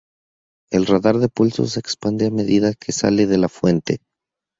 El radar de pulsos se expande a medida que sale de la fuente.